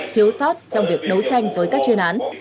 thiếu sót trong việc đấu tranh với các chuyên án